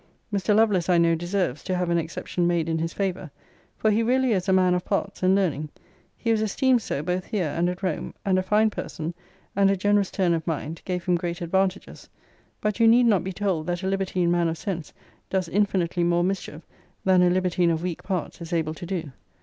Mr. Lovelace, I know, deserves to have an exception made in his favour; for he really is a man of parts and learning: he was esteemed so both here and at Rome; and a fine person, and a generous turn of mind, gave him great advantages. But you need not be told that a libertine man of sense does infinitely more mischief than a libertine of weak parts is able to do.